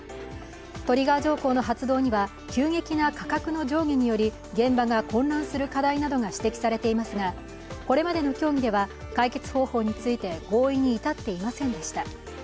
トリガー条項の発動には急激な価格の上下により現場が混乱する課題などが指摘されていますが、これまで協議では解決方法について、合意に至っていませんでした。